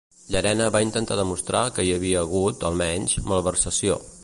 Llarena va intentar demostrar que hi havia hagut, almenys, malversació.